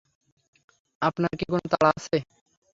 আপনার কি কোনো তাড়া আছে?